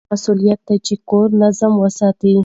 د نارینه مسئولیت دی چې کورنی نظم وساتي.